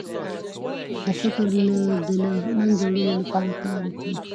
د فقر د له منځه وړلو لپاره کار وکړئ.